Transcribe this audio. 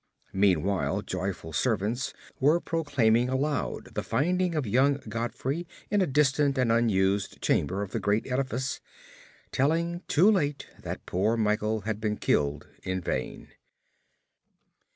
Meanwhile joyful servants were proclaiming aloud the finding of young Godfrey in a distant and unused chamber of the great edifice, telling too late that poor Michel had been killed in vain.